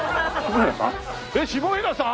下平さん？